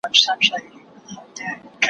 ما پرون د سبا لپاره د نوي لغتونو يادونه وکړه!.